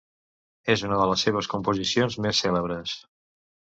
És una de les seves composicions més cèlebres.